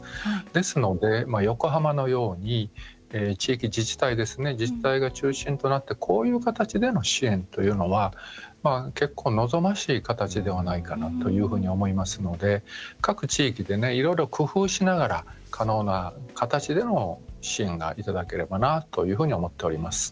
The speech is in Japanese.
ですので、横浜のように地域、自治体が中心となってこういう形の支援っていうのは結構、望ましい形ではないかなと思いますので各地域で、いろいろ工夫しながら可能な形での支援がいただければなと思っています。